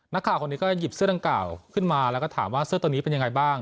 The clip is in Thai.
นักข่าวคนนี้ก็หยิบเสื้อดังกล่าวขึ้นมาแล้วก็ถามว่าเสื้อตัวนี้เป็นยังไงบ้าง